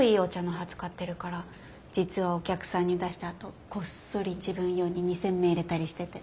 使ってるから実はお客さんに出したあとこっそり自分用に二煎目いれたりしてて。